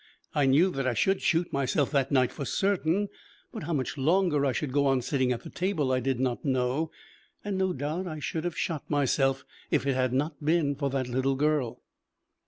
I knew that I should shoot myself that night for certain, but how much longer I should go on sitting at the table I did not know. And no doubt I should have shot myself if it had not been for that little girl.